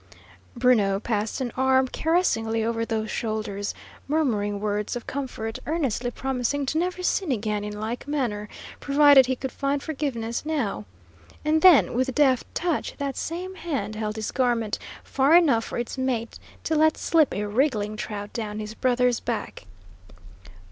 Bruno passed an arm caressingly over those shoulders, murmuring words of comfort, earnestly promising to never sin again in like manner, provided he could find forgiveness now. And then, with deft touch, that same hand held his garment far enough for its mate to let slip a wriggling trout adown his brother's back.